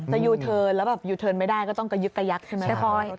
ยูเทิร์นแล้วแบบยูเทิร์นไม่ได้ก็ต้องกระยึกกระยักใช่ไหม